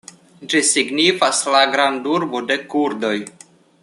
Ĝi signifas: la "grandurbo de kurdoj".